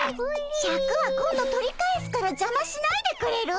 シャクは今度取り返すからじゃましないでくれる？